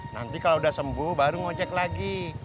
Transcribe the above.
nanti kalau sudah sembuh baru ngojek lagi